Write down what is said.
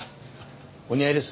お似合いです。